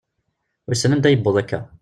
Wisen anda yewweḍ akka?